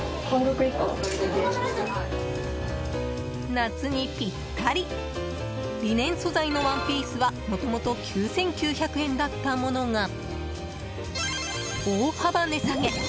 夏にぴったりリネン素材のワンピースはもともと９９００円だったものが大幅値下げ！